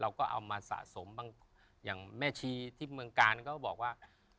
เอามาสะสมบางอย่างแม่ชีที่เมืองกาลก็บอกว่า